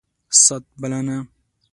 ست ... بلنه